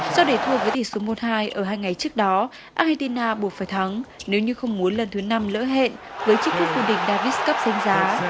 do để thua với thủy số một hai ở hai ngày trước đó argentina buộc phải thắng nếu như không muốn lần thứ năm lỡ hẹn với chiếc quốc phương đình davis cup giánh giá